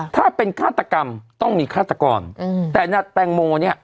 ถ้าเป็นฆาตกรรมต้องมีฆาตกรอืมแต่แตงโมเนี่ย